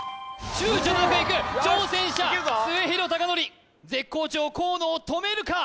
躊躇なくいく挑戦者末廣隆典絶好調河野を止めるか？